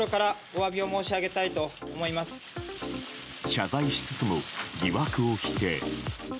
謝罪しつつも疑惑を否定。